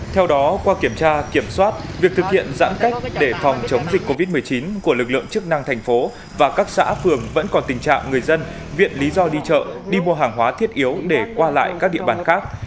theo đó qua kiểm tra kiểm soát việc thực hiện giãn cách để phòng chống dịch covid một mươi chín của lực lượng chức năng thành phố và các xã phường vẫn còn tình trạng người dân viện lý do đi chợ đi mua hàng hóa thiết yếu để qua lại các địa bàn khác